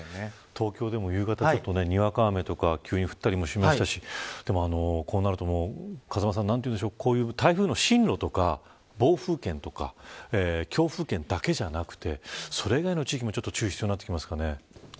東京でも夕方ににわか雨が降ったりしましたがこうなると、台風の進路とか暴風圏とか強風圏だけではなくそれ以外の地域も注意が必要になってきますかね。